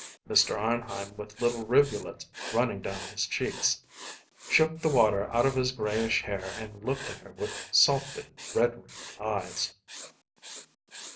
Mr. Arnheim, with little rivulets running down his cheeks, shook the water out of his grayish hair and looked at her with salt bitten, red rimmed eyes.